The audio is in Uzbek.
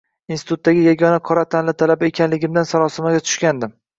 Institutdagi yagona qora tanli talaba ekanligimdan sarosimaga tushgandim